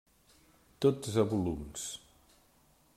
Dotze volums.